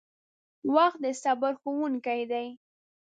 • وخت د صبر ښوونکی دی.